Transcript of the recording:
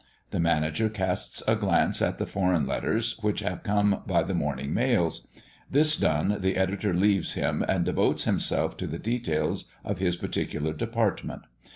The manager casts a glance at the foreign letters, which have come by the morning mails. This done, the editor leaves him, and devotes himself to the details of his particular department.